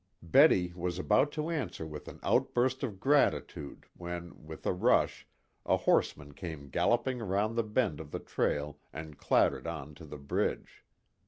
Betty was about to answer with an outburst of gratitude when, with a rush, a horseman came galloping round the bend of the trail and clattered on to the bridge.